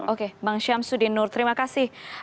oke bang syamsuddin nur terima kasih